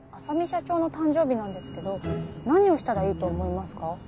浅海社長の誕生日なんですけど何をしたらいいと思いますか？